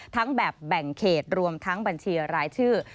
ทั้งแบบแบ่งเขตรวมทั้งบัญชีหรือรายชื่อ